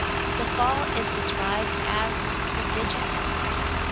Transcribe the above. The fall is described as prodigious.